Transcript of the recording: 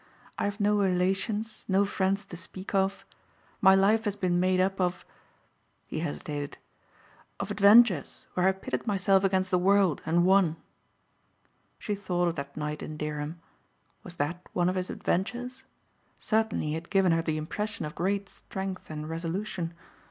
I have no relations, no friends to speak of. My life has been made up of," he hesitated, "of adventures where I pitted myself against the world and won." She thought of that night in Dereham. Was that one of his adventures? Certainly he had given her the impression of great strength and resolution.